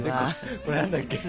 これは何だっけ？